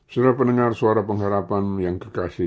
sudah mendengar suara pengharapan yang kekasih